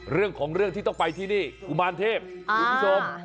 เรื่องของเรื่องที่ต้องไปที่นี่กุมารเทพคุณผู้ชม